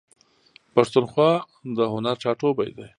پښتونخوا د هنر ټاټوبی دی.